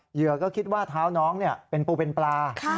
เหยื่อก็คิดว่าเท้าน้องเป็นปูเป็นปลา